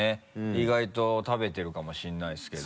意外と食べてるかもしれないですけど。